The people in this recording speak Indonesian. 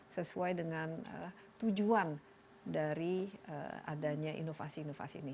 sesuai dengan tujuan dari adanya inovasi inovasi ini